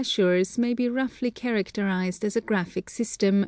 255 of hachures may be roughly characterized as a graphic system.